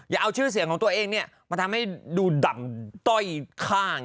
เอาชื่อเสียงของตัวเองมาทำให้ดูดำต้อยข้าง